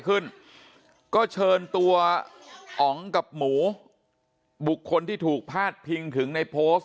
ขึ้นก็เชิญตัวอ๋องกับหมูบุคคลที่ถูกพาดพิงถึงในโพสต์